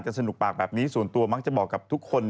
สนุกปากแบบนี้ส่วนตัวมักจะบอกกับทุกคน